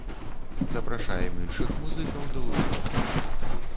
Запрашаем іншых музыкаў далучацца!